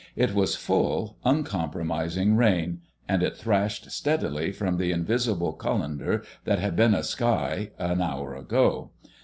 It was full, uncompromising rain, and it thrashed steadily from the invisible cullender that had been a sky an hour ago.